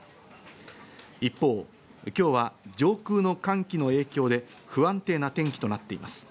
一方、今日は上空の寒気の影響で不安定な天気となっています。